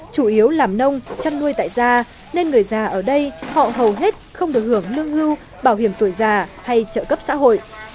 chủ yếu làm nông chăn nuôi tại da nên người già ở đây họ hầu hết không được hưởng lương hưu bảo hiểm tuổi già hay trợ cấp xã hội